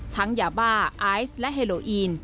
ทั้งยาบาร์ไอซ์และเฮโลอีน